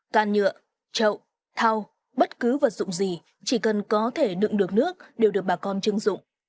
can nhựa trậu thao bất cứ vật dụng gì chỉ cần có thể đựng được nước đều được bà con chứng dụng